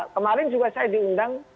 kemarin juga saya diundang